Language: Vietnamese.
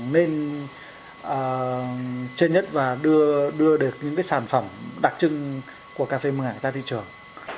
nên chênh nhất và đưa được những sản phẩm đặc trưng của cà phê mường ảng ra thị trường